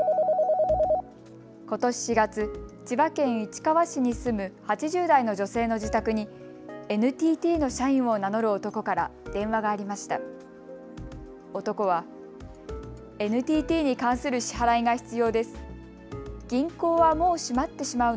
ことし４月、千葉県市川市に住む８０代の女性の自宅にＮＴＴの社員を名乗る男から電話がありました。